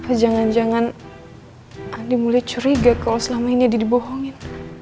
eh jangan jangan andi mulai curiga kalau selama ini ada dibohongin